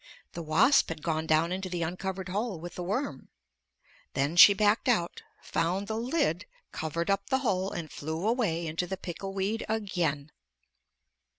The wasp had gone down into the uncovered hole with the worm. Then she backed out, found the lid, covered up the hole and flew away into the pickle weed again!